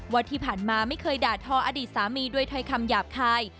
ว่าที่ผ่านมาไม่เคยด่าทออดีตสามีด้วยถ้อยคำหยาบคาย